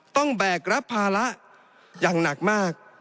แบกรับภาระอย่างหนักมาก